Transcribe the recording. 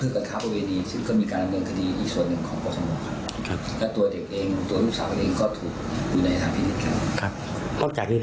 เพื่อก็ท้าประเวณีซึ่งก็มีการเนินคดีอีกส่วนหนึ่งของปลาสมมติค่ะ